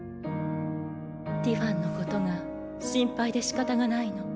ティファンのことが心配でしかたがないの。